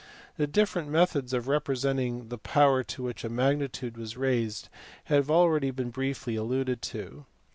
The different methods of representing the power to which a magnitude was raised have been already briefly alluded to.